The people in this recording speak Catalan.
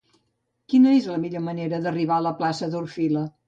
Quina és la millor manera d'arribar a la plaça d'Orfila?